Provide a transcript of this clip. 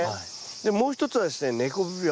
でもう一つはですね根こぶ病。